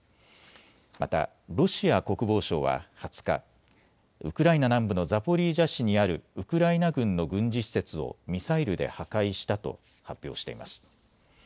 またロシア国防省は２０日、ウクライナ南部のザポリージャ市にあるウクライナ軍の軍事施設をミサイルで破壊したと発表しています。